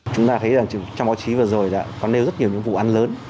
chúng ta thấy rằng trong báo chí vừa rồi có nêu rất nhiều những vụ an lớn